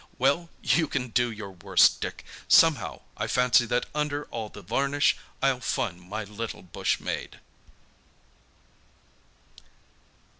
Well, you can do your worst, Dick. Somehow, I fancy that under all the varnish I'll find my little bush maid."